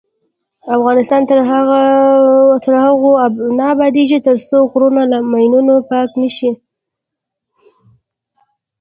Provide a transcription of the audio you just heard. افغانستان تر هغو نه ابادیږي، ترڅو غرونه له ماینونو پاک نشي.